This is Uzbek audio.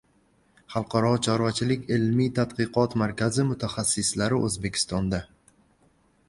Xalqaro chorvachilik ilmiy-tadqiqot markazi mutaxassislari O‘zbekistonda